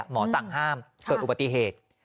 สั่งห้ามเกิดอุบัติเหตุ